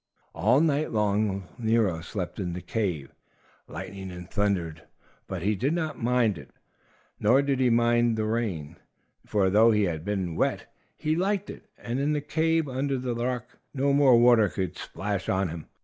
All night long Nero slept in the cave. It lightened and thundered, but he did not mind that. Nor did he mind the rain, for though he had been wet, he liked it, and in the cave under the rock no more water could splash on him.